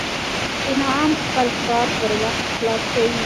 انعام خپل کار پر وخت خلاصوي